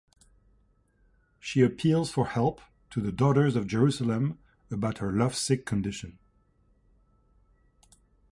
She appeals for help to the daughters of Jerusalem about her lovesick condition.